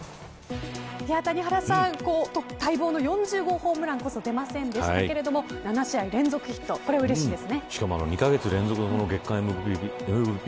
谷原さん、待望の４０号ホームランこそ出ませんでしたが７試合連続ヒット２カ月連続の月間ＭＶＰ